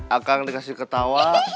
akang dikasih ketawa